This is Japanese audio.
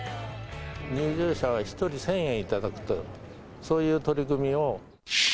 入場者は１人１０００円頂くと、そういう取り組みを。